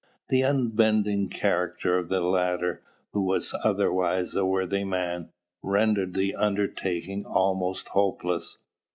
The unbending character of the latter, who was otherwise a worthy man, rendered the undertaking almost hopeless.